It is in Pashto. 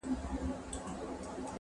څو پړسېدلي د پردیو په کولمو ټپوسان.